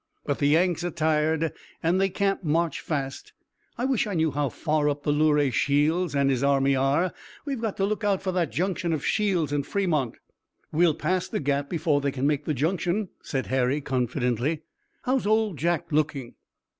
But the Yanks are tired and they can't march fast. I wish I knew how far up the Luray Shields and his army are. We've got to look out for that junction of Shields and Fremont." "We'll pass the Gap before they can make the junction," said Harry confidently. "How's Old Jack looking?"